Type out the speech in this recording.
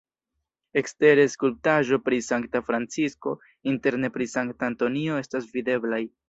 Ekstere skulptaĵo pri Sankta Francisko, interne pri Sankta Antonio estas videblaj.